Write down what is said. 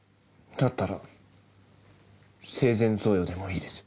だったら生前贈与でもいいです。